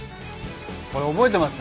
これ覚えてます？